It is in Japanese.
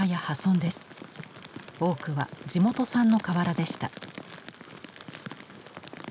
多くは地元産の瓦でした。